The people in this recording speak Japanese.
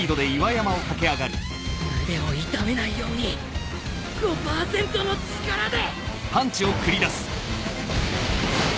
腕を痛めないように ５％ の力で！